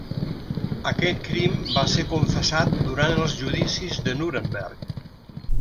Aquest crim va ser confessat durant els judicis de Nuremberg.